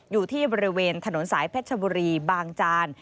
อยู่ที่บริเวณถนนสายเพชรบุรีบางจาน